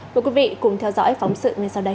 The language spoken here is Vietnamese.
mời quý vị cùng theo dõi phóng sự ngay sau đây